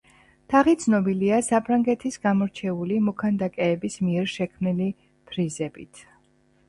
თაღი ცნობილია საფრანგეთის გამორჩეული მოქანდაკეების მიერ შექმნილი ფრიზებით.